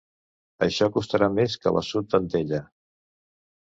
Això costarà més que l'assut d'Antella.